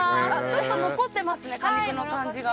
ちょっと残ってますね果肉の感じが。